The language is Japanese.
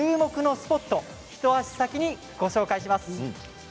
スポット一足先に、ご紹介します。